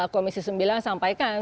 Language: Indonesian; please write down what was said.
komisi sembilan sampaikan